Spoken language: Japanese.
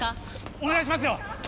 お願いしますよ。